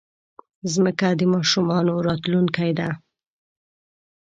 مځکه د ماشومانو راتلونکی ده.